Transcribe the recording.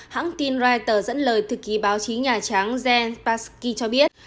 hãng tin reuters dẫn lời thực ký báo chí nhà trắng jen psaki cho biết